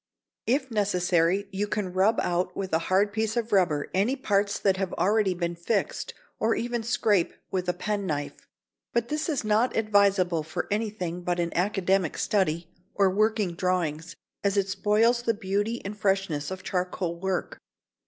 If necessary you can rub out with a hard piece of rubber any parts that have already been fixed, or even scrape with a pen knife. But this is not advisable for anything but an academic study, or working drawings, as it spoils the beauty and freshness of charcoal work.